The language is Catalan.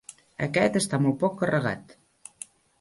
Aquest està molt poc carregat.